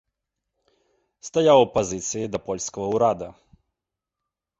Стаяў у апазіцыі да польскага ўрада.